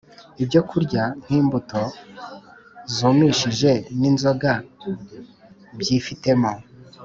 ibyo kurya nkimbuto zumishije ninzoga byifitemo